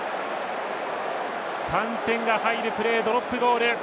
３点が入るプレードロップゴール。